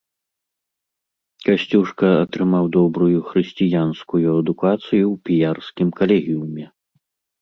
Касцюшка атрымаў добрую хрысціянскую адукацыю ў піярскім калегіуме.